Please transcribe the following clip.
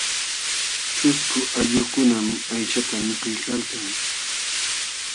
Ćhusku allqukunam aychata mikuykalkan.